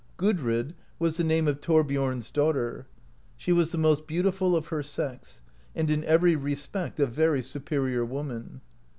Gudrid was the name of Thorbiorn's daughter. She was the most beautiful of her sex, and in every respect a very superior woman.